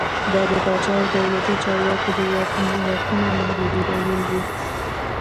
دا د پاچا او دولتي چارواکو د واکونو محدودېدل و.